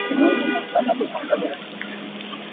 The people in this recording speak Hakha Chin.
Laitlang ah varang kan hmu bal lo.